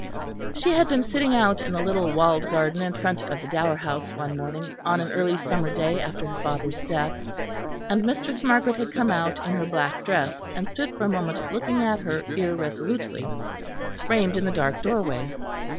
She had been sitting out in the little walled garden in front of the Dower House one morning on an early summer day after her father's death, and Mistress Margaret had come out in her black dress and stood for a moment looking at her irresolutely, framed in the dark doorway.